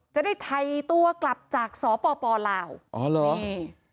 จะได้ไทยตัวกลับจากสปลาวอ๋อเหรอนี่